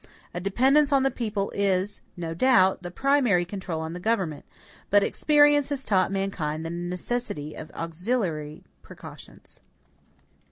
A dependence on the people is, no doubt, the primary control on the government; but experience has taught mankind the necessity of auxiliary precautions.